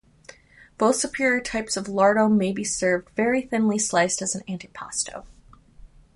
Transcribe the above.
Both superior types of lardo may be served very thinly sliced as an antipasto.